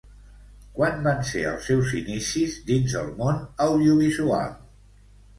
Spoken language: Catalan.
Quan van ser els seus inicis dins el món audiovisual?